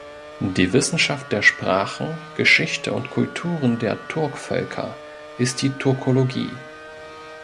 Die Wissenschaft der Sprachen, Geschichte und Kulturen der Turkvölker ist die Turkologie.